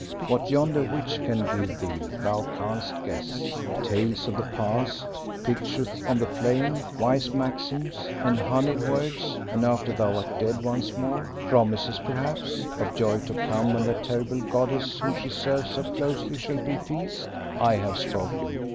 What yonder witch can give thee thou canst guess. Tales of the past, pictures on the flame, wise maxims and honeyed words, and after thou art dead once more, promises perhaps, of joy to come when that terrible goddess whom she serves so closely shall be appeased. I have spoken.